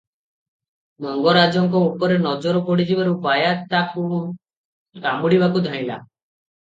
ମଙ୍ଗରାଜଙ୍କ ଉପରେ ନଜର ପଡ଼ିଯିବାରୁ ବାୟା ତାକୁ କାମୁଡ଼ିବାକୁ ଧାଇଁଲା ।